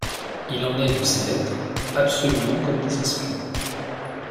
Il en est de ces lettres, absolument comme des espions.